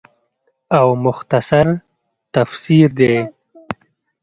او مختصر تفسير دے